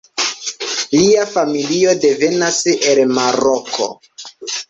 Lia familio devenas el Maroko.